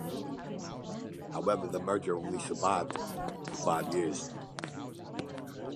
However, the merger survived for only five years.